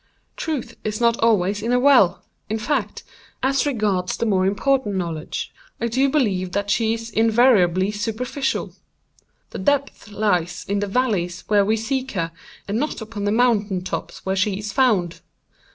Truth is not always in a well. In fact, as regards the more important knowledge, I do believe that she is invariably superficial. The depth lies in the valleys where we seek her, and not upon the mountain tops where she is found.